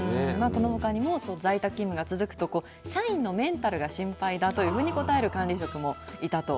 このほかにも在宅勤務が続くと、社員のメンタルが心配だと答える管理職もいたと。